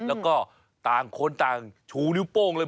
แล้วก็ต่างคนต่างชูนิ้วโป้งเลย